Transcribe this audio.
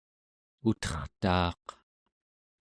utertaaq